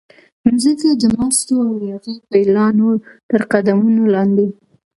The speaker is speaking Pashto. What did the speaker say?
مځکه د مستو او یاغي پیلانو ترقدمونو لاندې